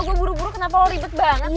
gue buru buru kenapa lo ribet banget sih